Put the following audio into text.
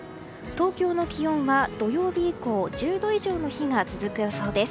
東京の気温は土曜日以降１０度以上の日が続く予想です。